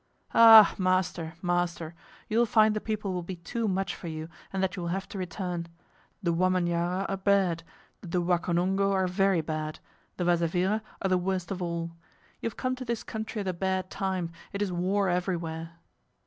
"Ah, master, master, you will find the people will be too much for you, and that you will have to return. The Wa manyara are bad, the Wakonongo are very bad, the Wazavira are the worst of all. You have come to this country at a bad time. It is war everywhere."